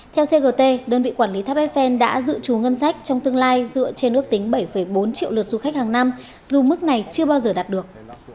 theo cgt đơn vị quản lý tháp eiffel đã dự trù ngân sách trong tương lai dựa trên ước tính bảy bốn triệu lượt du khách hàng năm dù mức này chưa bao giờ đạt được